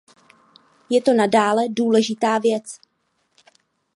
Je to nadále důležitá věc.